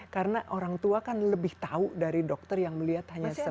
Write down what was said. karena orang tua kan lebih tahu dari dokter yang melihat hanya sepenuhnya